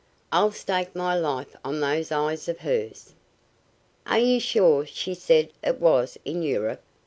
I'll stake my life on those eyes of hers." "Are you sure she said it was in Europe?"